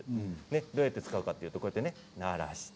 どうやって使うかというと鳴らして